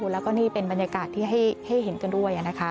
แล้วก็นี่เป็นบรรยากาศที่ให้เห็นกันด้วยนะคะ